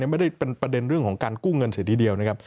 ไม่ได้เป็นประเด็นเรื่องของการกู้เงินเสียทีเดียวนะครับ